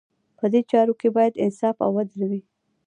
په دې چارو کې باید انصاف او عدل وي.